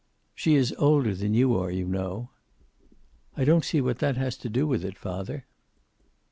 "She is older than you are, you know." "I don't see what that has to do with it, father."